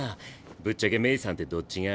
ぶっちゃけ冥さんってどっち側？